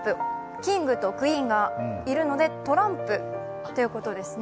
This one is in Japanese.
キングとクイーンがいるのでトランプということですね。